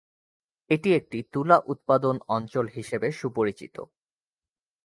এটি একটি তুলা উৎপাদন অঞ্চল হিসেবে সুপরিচিত।